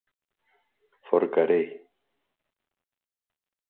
Forcarei.